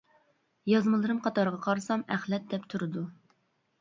يازمىلىرىم قاتارىغا قارىسام ئەخلەت دەپ تۇرىدۇ.